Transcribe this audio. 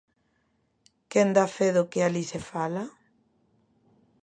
Quen dá fe do que alí se fala?